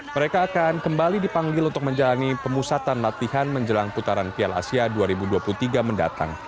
mereka akan kembali dipanggil untuk menjalani pemusatan latihan menjelang putaran piala asia dua ribu dua puluh tiga mendatang